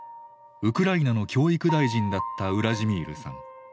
ウクライナの教育大臣だったウラジミールさん。